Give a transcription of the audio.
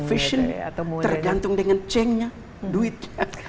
fashion tergantung dengan cengnya duitnya